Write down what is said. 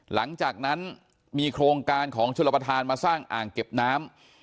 หลังจากนั้นมีโครงการของชลประธานมาสร้างอ่างเก็บน้ำ